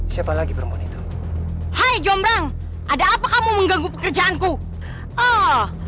siapa lagi perempuan itu hai jomblang ada apa kamu mengganggu pekerjaanku oh